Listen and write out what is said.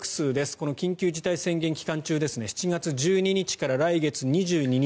この緊急事態宣言期間中ですね７月１２日から来月２２日。